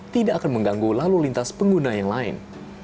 tidak akan mengganggu lalu lintas pengguna yang lain